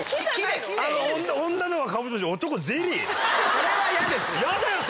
それは嫌です。